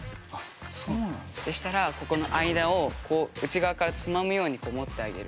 そしたらここの間をこう内側からつまむように持ってあげる。